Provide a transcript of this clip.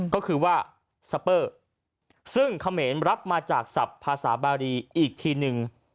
ก็คือว่าสเปอร์ซึ่งเขมรรับมาจากศัพท์ภาษาบารีอีกทีนึง